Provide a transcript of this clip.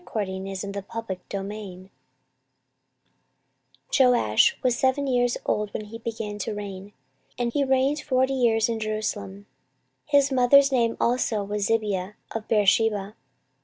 14:024:001 Joash was seven years old when he began to reign, and he reigned forty years in Jerusalem. His mother's name also was Zibiah of Beersheba.